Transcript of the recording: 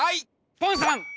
ポンさん！